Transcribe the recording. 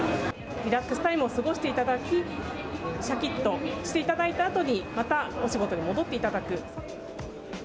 リラックスタイムを過ごしていただき、しゃきっとしていただいたあとに、またお仕事に戻っていただく。